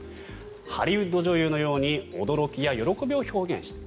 ハリウッド女優のように驚きや喜びを表現した。